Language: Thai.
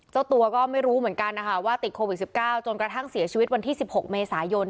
เจ้าตัวก็ไม่รู้เหมือนกันนะคะว่าติดโควิด๑๙จนกระทั่งเสียชีวิตวันที่๑๖เมษายน